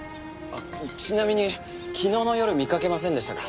ちなみに昨日の夜見かけませんでしたか？